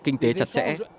kinh tế chặt chẽ